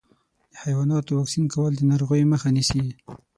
د حیواناتو واکسین کول د ناروغیو مخه نیسي.